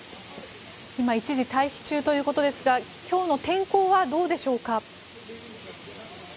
今一時退避中ということですが今日の天候はどうでしょうか？